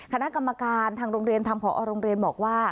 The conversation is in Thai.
คณะกรรมการทางโรงเรียนทางผอโรงเรียนบอกว่า